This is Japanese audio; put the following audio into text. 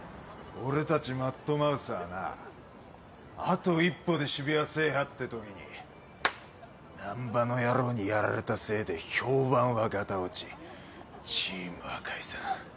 俺たちマッドマウスはなあと一歩で渋谷制覇ってときに難破の野郎にやられたせいで評判はガタ落ちチームは解散。